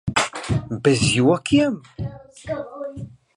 Bez jokiem?